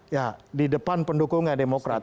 ya di depan pendukungnya demokrat